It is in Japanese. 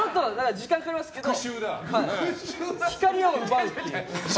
時間はかかりますけど光を奪うっていう。